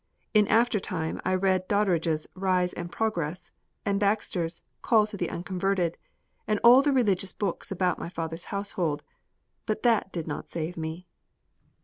In after time I read Doddridge's "Rise and Progress," and Baxter's "Call to the Unconverted," and all the religious books around my father's household; but that did not save me.